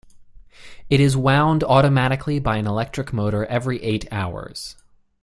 It is wound automatically by an electric motor every eight hours.